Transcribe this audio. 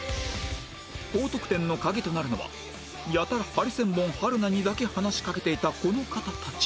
高得点の鍵となるのはやたらハリセンボン春菜にだけ話しかけていたこの方たち